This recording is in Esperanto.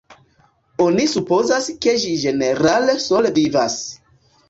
Oni supozas ke ĝi ĝenerale sole vivas.